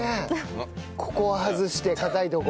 ここは外して硬いとこ。